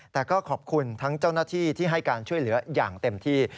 แต่ก็ขอบคุณทั้งเจ้าหน้าที่ที่ให้การช่วยเหลืออย่างเต็มที่